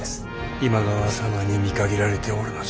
今川様に見限られておるのじゃ。